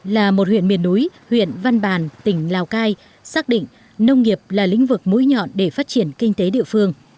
là một huyện miền núi huyện văn bàn tỉnh lào cai xác định nông nghiệp là lĩnh vực mũi nhọn để phát triển kinh tế địa phương